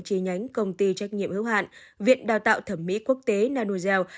tri nhánh công ty trách nhiệm hữu hạn viện đào tạo thẩm mỹ quốc tế nanogel